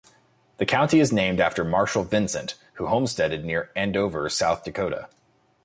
The county is named after Marshall Vincent, who homesteaded near Andover, South Dakota.